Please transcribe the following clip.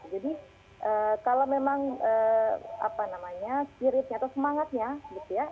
jadi kalau memang apa namanya spiritnya atau semangatnya gitu ya